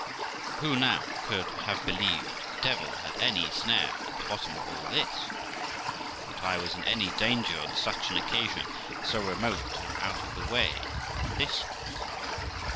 Who now could have believed the devil had any snare at the bottom of all this? or that I was in any danger on such an occasion, so remote and out of the way as this was